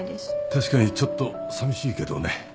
確かにちょっとさみしいけどね。